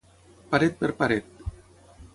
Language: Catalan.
Paret per paret.